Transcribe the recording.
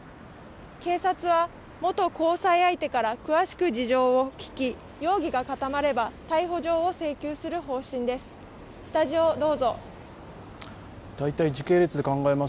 警察は、元交際相手から詳しく事情を聴き、容疑が固まれば逮捕状を請求する方針です。